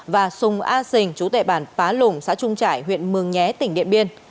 và sùng a sình chú tệ bản phá lùng xã trung trải huyện mường nhé tỉnh điện biên